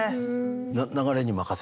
流れに任せてね。